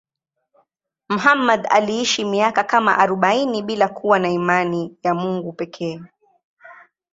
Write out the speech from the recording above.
Muhammad aliishi miaka kama arobaini bila kuwa na imani ya Mungu pekee.